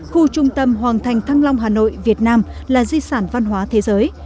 khu trung tâm hoàng thành thăng long hà nội việt nam là di sản văn hóa thế giới